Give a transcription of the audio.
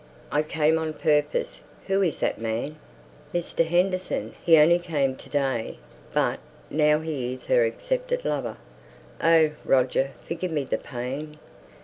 I came on purpose. Who is that man?" "Mr. Henderson. He only came to day but now he is her accepted lover. Oh, Roger, forgive me the pain!"